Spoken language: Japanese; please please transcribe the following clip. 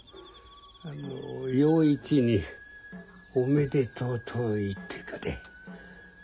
あの洋一におめでとうと言ってくれ。